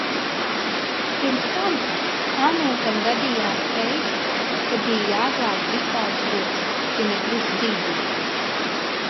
Pirms tam Anūtam gadījās reize, kad bija jāglābj Visvalža gods, ja ne gluži dzīvība.